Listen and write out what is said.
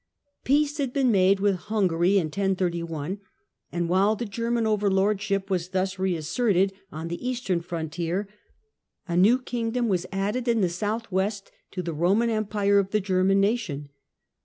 Peace had been made with Hun gary in 1031, and while the German overlordship was thus reasserted on the eastern frontier, a new kingdom was added in the south west to the Eoman Empire of the German Nation.